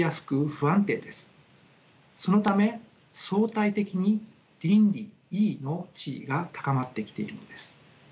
そのため相対的に倫理の地位が高まってきているのです。